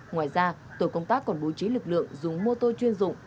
ngoài ra tổ công tác còn bố trí lực lượng dùng mô tô chuyên dụng